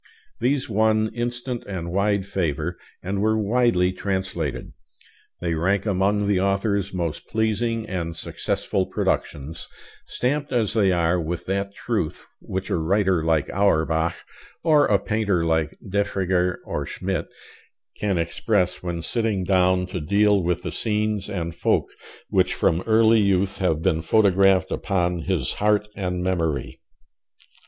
These won instant and wide favor, and were widely translated. They rank among the author's most pleasing and successful productions, stamped as they are with that truth which a writer like Auerbach, or a painter like Defregger or Schmidt, can express when sitting down to deal with the scenes and folk which from early youth have been photographed upon his heart and memory.